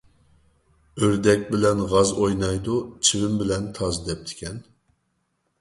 «ئۆردەك بىلەن غاز ئوينايدۇ، چىۋىن بىلەن تاز» دەپتىكەن.